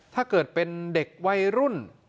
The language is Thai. ถ้าเกิดเป็นเด็กวัยรุ่น